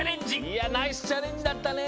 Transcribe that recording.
いやナイスチャレンジだったね。